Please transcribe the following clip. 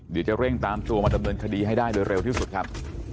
เดี๋ยวจะเร่งตามตัวมาดำเนินคดีให้ได้โดยเร็วที่สุดครับ